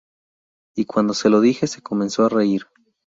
Y cuando se lo dije, se comenzó a reír"".